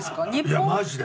いやマジで。